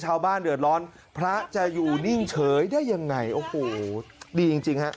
ชาวบ้านเดือดร้อนพระจะอยู่นิ่งเฉยได้ยังไงโอ้โหดีจริงจริงฮะ